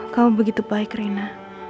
kamu begitu baik rina